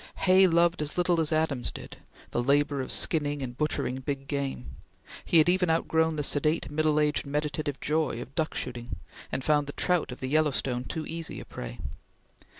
Hay loved as little as Adams did, the labor of skinning and butchering big game; he had even outgrown the sedate, middle aged, meditative joy of duck shooting, and found the trout of the Yellowstone too easy a prey.